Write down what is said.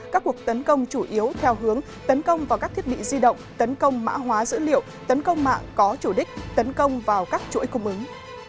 các cuộc tấn công chủ yếu theo hướng tấn công vào các thiết bị di động tấn công mã hóa dữ liệu tấn công mạng có chủ đích tấn công vào các chuỗi cung ứng